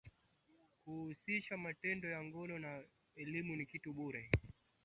kuhusisha vitendo na tabiamridhiko ambayo ni athari ya dawa hii